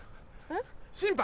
審判？